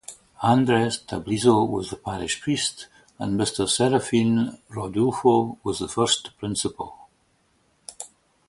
Andres Tablizo was the parish priest and Mr. Serafin Rodulfo was the first principal.